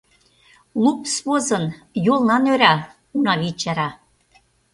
Лупс возын, йолна нӧра, — Унавий чара.